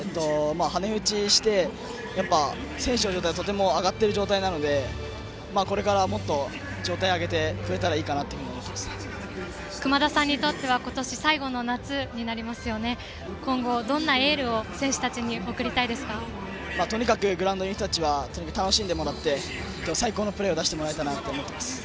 羽根打ちして、選手の状態はとても上がっている状態なのでこれからもっと状態を上げてくれたらくまださんにとっては今年最後の夏どんなエールを選手たちにとにかくグラウンドにいる人たちには楽しんでもらって最高のプレーを出してもらいたいと思います。